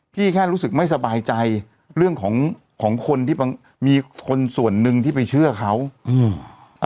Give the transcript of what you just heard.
แค่รู้สึกไม่สบายใจเรื่องของของคนที่บางมีคนส่วนหนึ่งที่ไปเชื่อเขาอืม